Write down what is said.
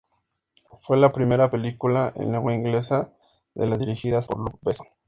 Fue la primera película en lengua inglesa de las dirigidas por Luc Besson.